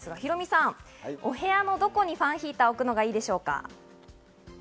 ヒロミさん、お部屋のどこにファンヒーターを置くのが良いでしょ